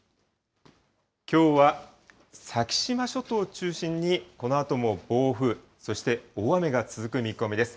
きょうは先島諸島を中心にこのあとも暴風、そして大雨が続く見込みです。